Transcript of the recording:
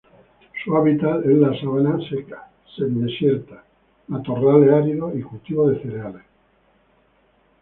Su hábitat es la sabana seca, semi-desierta, matorrales áridos y cultivos de cereales.